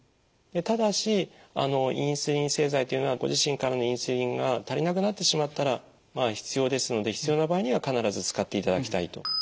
ただしインスリン製剤というのはご自身からのインスリンが足りなくなってしまったら必要ですので必要な場合には必ず使っていただきたいと。